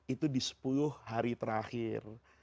itu di sepuluh hari terakhir